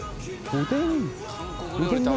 おでん鍋？